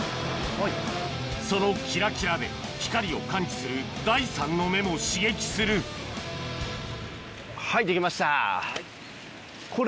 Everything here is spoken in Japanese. そのキラキラで光を感知する第３の目も刺激するはいできました。